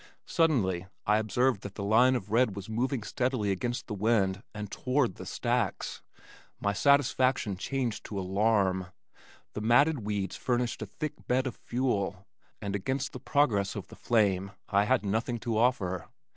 Suddenly I observed that the line of red was moving steadily against the wind and toward the stacks. My satisfaction changed to alarm. The matted weeds furnished a thick bed of fuel, and against the progress of the flame I had nothing to offer.